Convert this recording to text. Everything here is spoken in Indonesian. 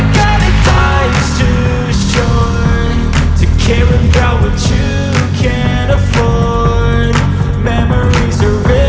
kalau nunik punya kerbau